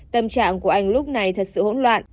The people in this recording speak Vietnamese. tâm trạng của anh lúc này thật sự hỗn loạn